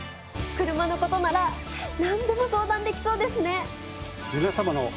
車の事ならなんでも相談できそうですね。